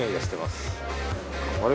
あれ？